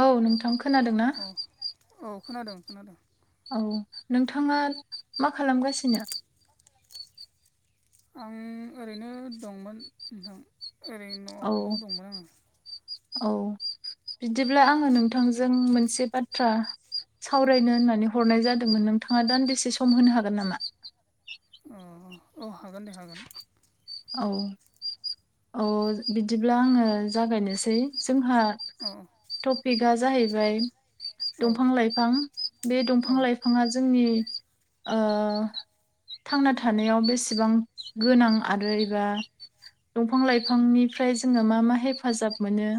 औ नोंथां खोनादों ना? औ औ खोनादों खोनादों। औ नोंथाङा मा खालामगासिनो? आं ओरैनो दंमोन नोंथां ओरै औ न'आवनो दंमोन आङो। औ बिदिब्ला आङो नोंथांजों मोनसे बाथ्रा सावरायनो होननानै हरनाय जादोंमोन नोंथाङा दान्दिसे सम होनो हागोन नामा? अ औ हागोन दे हागोन। औ औ बिदिब्ला आङो जागायनोसै जोंहा ओ। टपिकआ जाहैबाय औ दंफां लाइफां बे औ दंफां लाइफां बिफाङा जोंनि ओ थांना थानायाव बेसेबां गोनां आरो एबा दंफां लाइफांनिफ्राय जोङो मा मा हेफाजाब मोनो।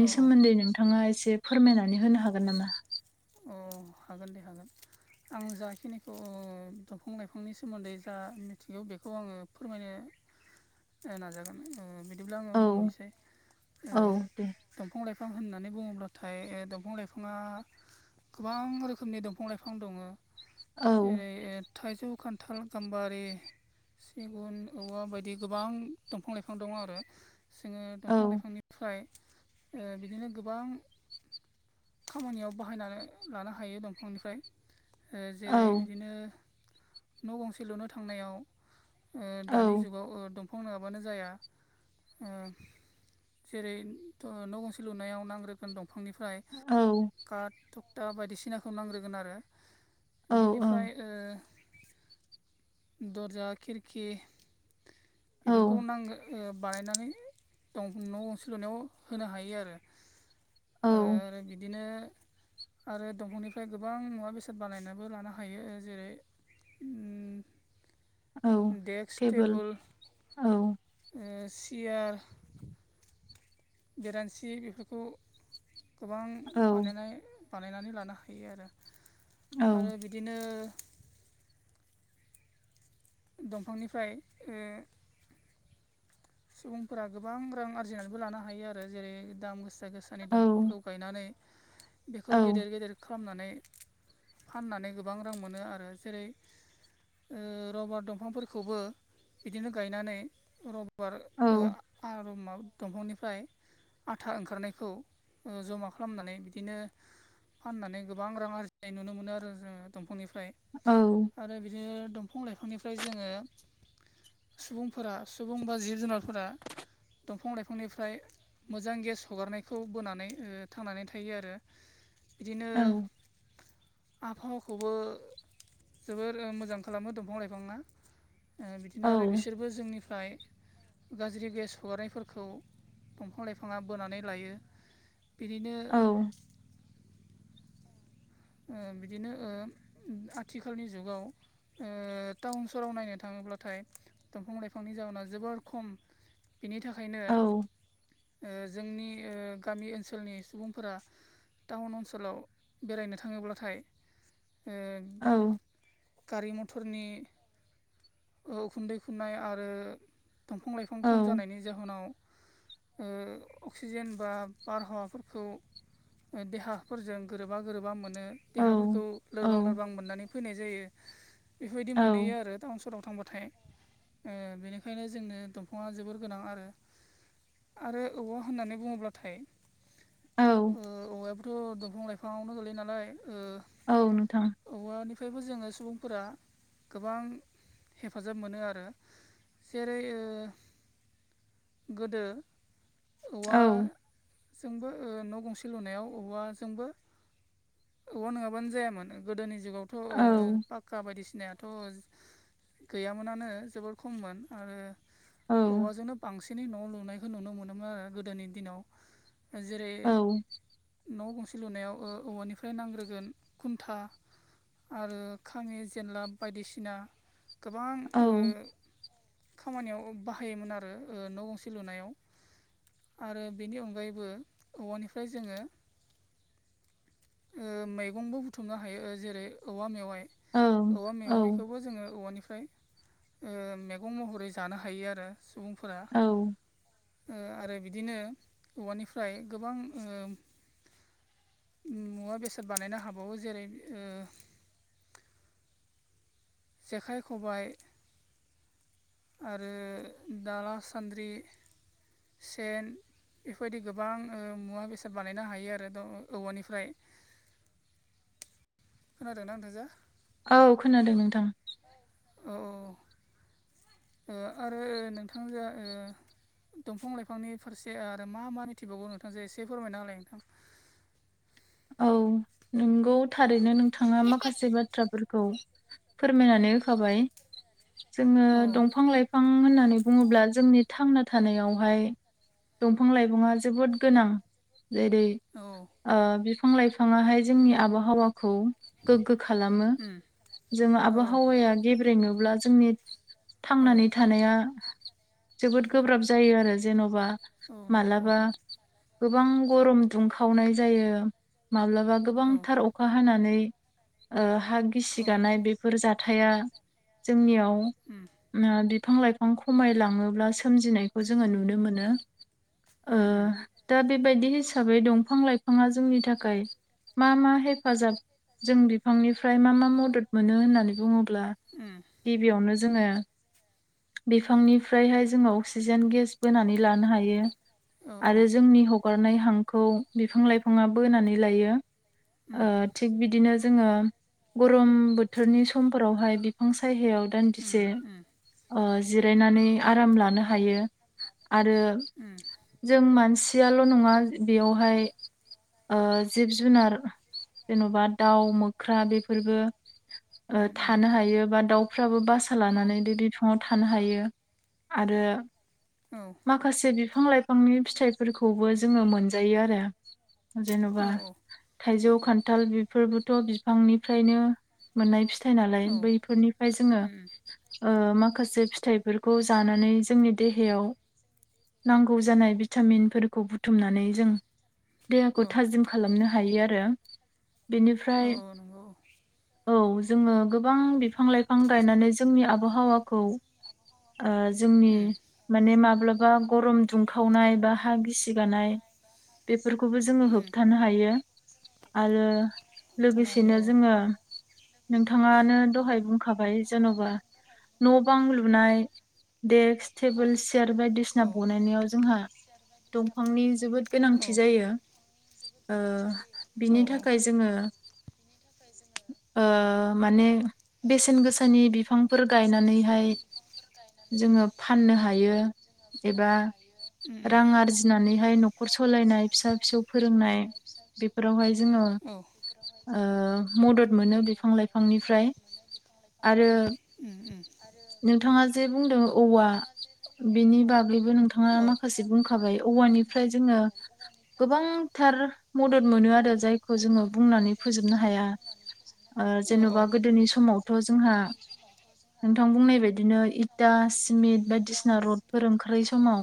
औ सोमोन्दै नोंथाङा एसे फोरमायनानै होनो हागोन नामा? अ हागोन दे हागोन। आं जाखिनिखौ दंफां लाइफांनि सोमोन्दै जा मिथिगौ बेखौ आङो फोरमायनो नाजागोन बिदिब्ला आङो औ बुंनोसै ओ औ दे दंफां लाइफां होननानै बुङोब्लाथाय दंफां लाइफाङा गोबां रोखोमनि दंफां लाइफां दङ औ जेरै थाइजौ खान्थाल गाम्बारि सिगुन औवा बायदि गोबां दंफां लाइफां दं आरो। जोङो औ दंफां लाइफांनिफ्राय बिदिनो गोबां खामानियाव बाहायनानै लानो हायो दंफांनिफ्राय ओ जेरै औ बिदिनो न' गंसे लुनो थांनायाव औ दानि जुगाव ओ द फं नङाबानो जाया ओ जेरै न' गंसे लुनायाव नांग्रोगोन दंफांनिफ्राय औ। काट थकटा बायदिसिनाखौ नांग्रोगोन आरो। औ बिनिफ्राय ओ दर्जा खिरखि औ बेफोरखौ नांगो ओ बानायनानै दं न'न सल'नायाव होनो हायो औ आ-आरो बिदिनो आरो दंफांनिफ्राय गोबां मुवा बेसाद बानायनोबो लानो हायो जेरै उ। औ देक्स टेबोल औ ओ सेयार बेरान्सि बेफोरखौ गोबां औ बानायनाय बानायनानै लानो हायो आरो औ आरो बिदिनो दंफांनिफ्राय ओ सुबुंफोरा गोबां रां आरजिनानैबो लानो हायो आरो जेरै दाम गोसा गोसा गोसानि औ दंफांफोरखौ गायनानै औ बेखौ गेदेर गेदेर खालामनानै फाननानै गोबां रां मोनो आरो जेरै रबार दंफांफोरखौबो बिदिनो गायनानै रब गार औ ओ आरामाव दंफांनिफ्राय आथा ओंखारनायखौ जमा खालामनानै बिदिनो फाननानै गोबां रां आरजिनाय नुनो मोनो आरो जोङो दंफांनिफ्राय। औ। आरो बिदिनो दंफां लाइफांनिफ्राय जोङो सुबुंफोरा सुबुंबा जिब जुनारफोरा दंफां लाइफांनिफ्राय। मोजां गेस हगारनायखौ बोनानै ओ थांनानै थायो आरो। बिदिनो औ आबहावखौबो जोबोर मोजां खालामो दंफां लाइफांआ। ओ बिदिनो आरो बिसोरबो जोंनिफ्राय गाज्रि गेस हगारनायफोरखौ दंफां लाइफाङा बोनानै लायो। बिदिनो ओ बिदिनो आथिखालनि जुगाव ओ टाउन सहराव नायनो थाङोब्लाथाय दंफां लाइफांनि जाहोना जोबोर खम। बिनि थाखायनो ओ जोंनि ओ गामि ओनसोलनि सुबुंफोरा टाउन ओनसोलाव बेरायनो थाङोब्लाथाय ओ औ। गारि मथरनि उखुन्दै खुनाय आरो दंफां लाइफां खम जानायनि जाहोनाव अक्सिजेन बा बारहावाफोरखौ देहाफोरजों गोरोबा गोरोबा मोन नो देहाफोरखौ लोरबां औ लोरबां मोननानै फैनाय जायो। बेफोरबायदि औ मोनहैयो आरो टाउन सहराव थांबाथाय। ओ बेनिखायनो जोंनो दंफाङा जोबोर गोनां आरो आरो औवा होननानै बुङोब्लाथाय औ। ओ औवायाबोथ' दंफां लाइफाङावनो गोलैयो नालाय ओ औ नोंथां। औवानिफ्रायबो जोंङो सुबुंफोरा गोबां हेफाजाब मोनो आरो। जेरै ओ गोदो औ औवा जोंबो ओ न' गंसे लुनायाव औवाजोंबो औवा नङाब्लानो जायामोन गोदोनि जुगाव। औ। का बायदिसिनायाथ' गैयामोनानो जोबोर खममोन आरो औ औवाजोंनो बांसिनै न' लुनायखौ नुनो मोनोमोन आरो गोदोनि दिनाव। जेरै औ न' गंसे लुनायाव ओ औवानिफ्राय ओमफ्राय नांग्रोगोन खुन्था आरो खांङि जेनलाब बायदिसिना गोबां औ ओ खामानियाव बाहायोमोन आरो ओ न' गंसे लुनायाव। आरो बेनि अनगायैबो औवानिफ्राय जोंङो ओ मैगंबो बुथुमनो हायो ओ जेरै औवा मेवाइ। औ औवा मेवाइखौबो जोंङो औवानिफ्राय ओ मैगं महरै जानो हायो आरो। सुबुंफोरा। औ ओ आरो बिदिनो औवानिफ्राय गोबां ओ मुवा बेसाद बानायनो हाबावो जेरै ओ जेखाइ खबाय। आरो दाला सान्द्रि सेन बेफोरबायदि गोबां ओ मुवा बेसाद बानायनो हायो आरो द औवानिफ्राय। खोनादोंना नोंथांजो? औ खोनादों नोंथां। औ औ। ओ आरो नोंथांजो ओ दंफां लाइफांनि फारसे आरो मा मा मिथिबावगौ नोंथांजो एसे फोरमायना होलाय नोंथां? औ नोंगौ थारैनो नोंथाङा माखासे बाथ्राफोरखौ फोरमायनानै होखाबाय। जोंङो औ दंफां लाइफां होननानै बुङोब्ला जोंनि थांना थानायावहाय दंफां लाइफाङा जोबोद गोनां। जेरै औ। बिफां लाइफाङाहाय जोंनि आबहावाखौ गोग्गो खालामो। उम जों औ आबहावाया गेब्रेङोब्ला जोंनि औ थांनानै थानाया जोबोद गोब्राब जायो आरो जेन'बा औ नंगौ औ माब्लाबा गोबां गरम दुंखावनाय जायो, माब्लाबा औ गोबांथार अखा हानानै हा गिसि औ गानाय बेफोर जाथाया जोंनियाव उम। बिफां लाइफां खमायलाङोब्ला सोमजिनायखौ जोङो नुनो मोनो। उम उम दा बेबायदि हिसाबै दंफां लाइफाङा जोंनि था खाय मा मा हेफाजाब जों बिफांनिफ्राय मा मा मदद मोनो होननानै बुङोब्ला उम। गिबियावनो जोङो बिफांनिफ्रायहाय जोङो अक्सिजेन गेस बोनानै लानो हायो। औ आरो जोंनि हगारनाय हांखौ बिफां लाइफाङा बोनानै लायो। उम थिग बिदिनो जोङो गरम बोथोरनि समफोरावहाय बिफां सायहायाव उम दान्दिसे उम ओ जिरायनानै आराम लानो हायो। आरो उम जों मानसियाल' नङा बेयावहाय जिब जुनार जेन'बा दाउ मोख्रा बेफोरबो उम उम थानो हायो बा दाउफ्राबो बासा औ लानानै दै दि थु फावाव थानो हायो आरो औ माखासे बिफां लाइफांनि फिथाइफोरखौबो जोङो मोनजायो आरो। जेन'बा औ थाइजौ खान्थाल बेफोरबोथ' बिफांनिफ्रायनो मोननाय फिथाइ नालाय। औ बैफोरनिफ्राय जोङो उम माखासे फिथाइफोरखौ जानानै जोंनि देहायाव नांगौ जानाय भिटामिनफोरखौ बुथुमनानै जों औ देहाखौ थाजिम खालामनो हायो आरो औ बिनिफ्राय नंगौ औ औ जोङो गोबां बिफां लाइफां गायनानै जोंनि आबहावा खौ जोंनि उम माने माब्लाबा गरम दुंखावनाय बा हा गिसिगानाय खौबो जोङो उम होबथानो हायो आरो थानो हायो औ लोगोसेनो जोङो नोंथाङानो दहाय बुंखाबाय जेन'बा न' बां लुनाय देक्स टेबोल सि सियार बायदिसिना औ बनायनायाव जोंहा दंफांनि जोबोद औ गोनांथि जायो। बिनि थाखाय जोङो थाखाय जोङो माने बेसेन गोसानि बिफांफोर गायनानैहाय जोङो फाननो हायो एबा उम औ रां आरजिनानैहाय न'खर सलायनाय, फिसा फिसौ फोरोंनाय बेफोरावहाय जोङो औ। ओ मदद मोनो बिफां लाइफांनिफ्राय आरो उम उम नोंथाङा जे बुंदों औवा बेनि बागैबो नोंथाङा औ माखासे बुंखाबाय। औवानिफ्राय जोङो गोबांथार मदद मोनो आरो जायखौ मदद जोङो मोनो बुंनानै फोजोबनो हाया। नोंथां जेन'बा गोदोनि समावथ' जोंहा नोंथां बुंनाय बायदिनो इटा सिमिट बायदिसिना रडफोर ओंखारै समाव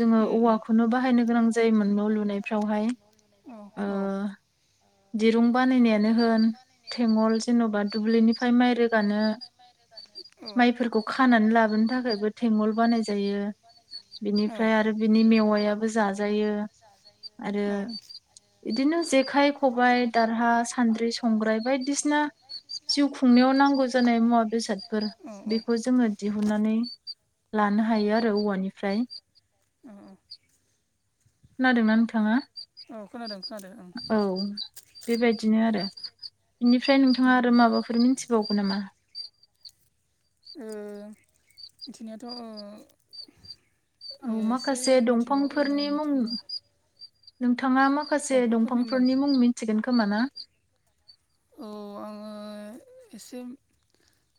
जोङो औवाखौनो बाहायनो गोनां जायोमोन न' लुनायफ्रावहाय। दिरुं बानायनायानो होन थेंगल जेन'बा दुब्लिनिफ्राय माइ रोगानो माइफोरखौ खानानै लाबोनो थाखायबो थेंगल बानाय जायो। औ बिनिफ्राय आरो बिनि मेवायाबो जाजायो आरो बिदिनो जेखाइ खबाय, दारहा, सान्द्रि, संग्राय बायदिसिना जिउ खुंनायाव नांगौ जानाय मुवा बेसादफोर बेखौ जोङो दिहुननानै लानो हायो आरो औवानिफ्राय ओम ओम खोनादोंना नोंथाङा? औ खोनादों खोनादों ओं औ बेबायदिनो आरो बेनिफ्राय उम नोंथाङा आरो माबाफोर मिथि बावगौ नामा? ओ बिदिनोथ' ओ औ एसे माखासे मिथिबाव दंफांफोरनि मुं मिथिगौ नोंथाङा माखासे दंफांफोरनि मुं मिथिगोन खोमा ना! औ आङो एसे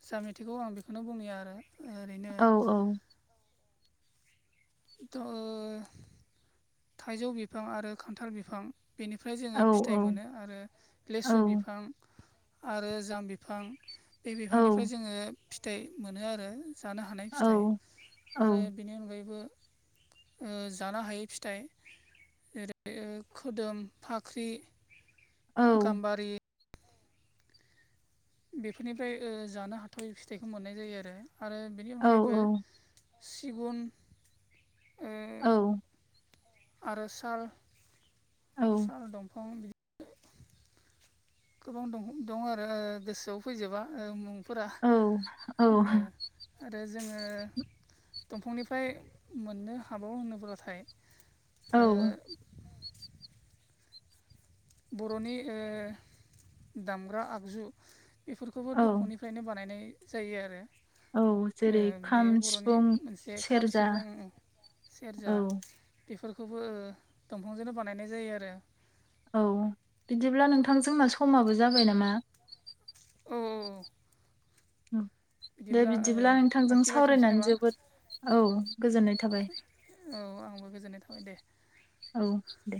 जा मिथिगौ आं बेखौनो बुंनि आरो ओरैनो औ औ थ' ओ थाइजौ बिफां आरो खान्थाल बिफां बेनिफ्राय जोङो औ फिथायाइ मोनो आरो औ लेसु बिफां आरो जाम बिफां बे औ बिफांनिफ्राय जोङो फिथाइ मोनो आरो जानो हानाय औ फिथाइ औ आरो बेनि अनगायैबो ओ जानो हायै फिथाइ जेरै खोदोम फाख्रि औ गाम्बारि बेफोरनिफ्राय ओ जानो हाथावै फिथाइखौ मोननाय जायो आरो आरो बेनि औ अनगायैबो सिगुन ओ औ आरो साल साल दंफां गोबांं दं दं आरो ओ गोसोआव फैजोबा ओ मुं फोरा औ आरो जोङो दंफांनिफ्राय मोननो हाबावो होनोब्लाथाय ओ औ बर'नि ओ दामग्रा आगजु बेफोरखौबो औ दंफांनिफ्रायनो बानायनाय जायो आरो औ ओ जेरै खाम बेयो बर'नि सिफुं मोनसे खाम सेरजा सिफुं औ सेरजा बेफोरखौबो दंफांजोंनो बानायनाय जायो आरो औ बिदिब्ला नोंथांजोंना समाबो जाबाय नामा औ औ दे बिदिब्ला नोंथांजों लाखिलायथ'नोसै सावरायनानै नामा जोबोद औ गोजोननाय थाबाय। औ आंबो गोजोननाय थाबाय दे औ दे